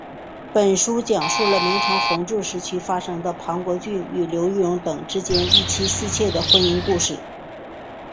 本书讲述了明朝弘治时期发生的庞国俊与刘玉蓉等之间一妻四妾的婚姻故事。